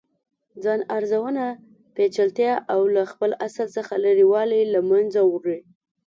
ځان ارزونه پیچلتیا او له خپل اصل څخه لرې والې له منځه وړي.